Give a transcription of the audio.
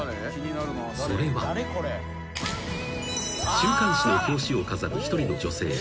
［週刊誌の表紙を飾る一人の女性］